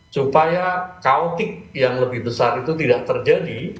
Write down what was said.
supaya kautik yang lebih besar itu tidak terjadi